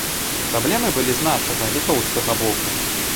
Праблемы былі з нашага, літоўскага боку.